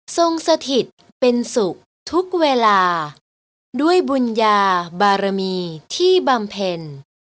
สถิตเป็นสุขทุกเวลาด้วยบุญญาบารมีที่บำเพ็ญ